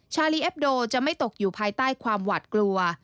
ชาลีเอ็บโดจะไม่ตกอยู่ภายใต้ความหวัดกลัว